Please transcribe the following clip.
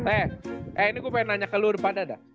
eh ini gue pengen nanya ke lu daripada dah